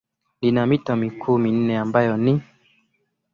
lina mito mikuu minne ambayo ni